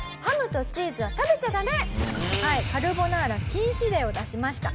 カルボナーラ禁止令を出しました。